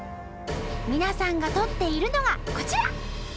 皆さんが撮っているのがこちら！